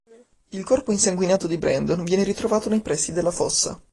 Il corpo insanguinato di Brandon viene ritrovato nei pressi della "fossa".